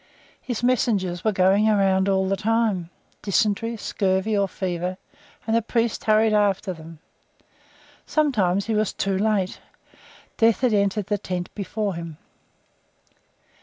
His messengers were going around all the time; dysentery, scurvy, or fever; and the priest hurried after them. Sometimes he was too late; Death had entered the tent before him.